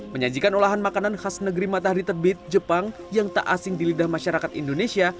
menyajikan olahan makanan khas negeri matahari terbit jepang yang tak asing di lidah masyarakat indonesia